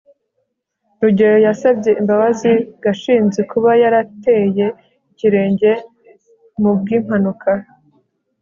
rugeyo yasabye imbabazi gashinzi kuba yarateye ikirenge mu bw'impanuka